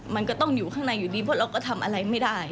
มันก็ต้องอยู่ข้างในอยู่ดีเพราะเราก็ทำอะไรไม่ได้